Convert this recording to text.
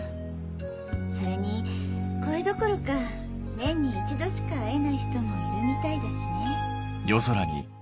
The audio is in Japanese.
それに声どころか年に一度しか会えない人もいるみたいだしね。